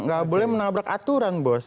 nggak boleh menabrak aturan bos